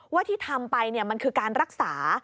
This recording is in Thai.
ว่าที่ทำไปมันคือการรักษา